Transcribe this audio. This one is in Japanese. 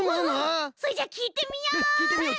それじゃあきいてみよう！